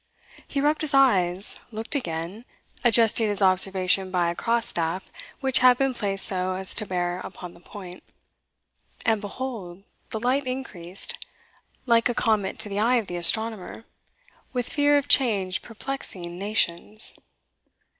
He rubbed his eyes, looked again, adjusting his observation by a cross staff which had been placed so as to bear upon the point. And behold, the light increased, like a comet to the eye of the astronomer, "with fear of change perplexing nations."